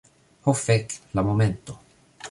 Ho, fek'. La momento.